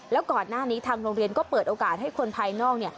แล้วก่อนหน้านี้ทางโรงเรียนก็เปิดโอกาสให้คนภายนอกเนี่ย